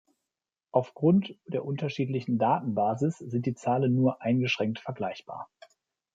Aufgrund der unterschiedlichen Datenbasis sind die Zahlen nur eingeschränkt vergleichbar.